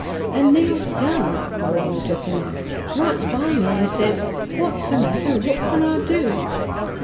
"And kneels down," the woman took him up, "right by me an' says, 'What's the matter? What can I do?'